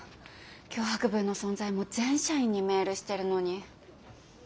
脅迫文の存在も全社員にメールしてるのに。